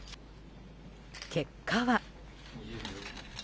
結果は。